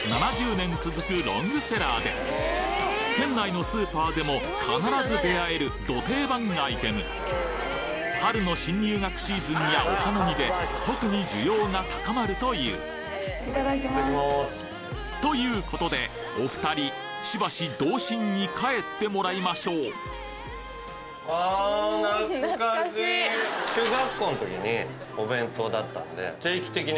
７０年続くロングセラーで県内のスーパーでも必ず出会えるド定番アイテム春の新入学シーズンやお花見で特に需要が高まるというということでお２人しばし童心に帰ってもらいましょう立ち位置が。